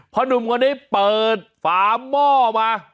หนุ่มคนนี้เปิดฝาหม้อมา